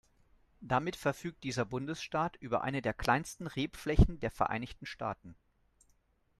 Damit verfügt dieser Bundesstaat über eine der kleinsten Rebflächen der Vereinigten Staaten.